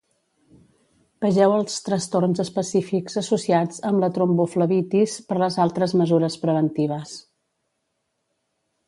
Vegeu els trastorns específics associats amb la tromboflebitis per les altres mesures preventives.